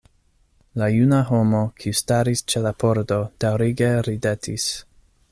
La juna homo, kiu staris ĉe la pordo, daŭrige ridetis.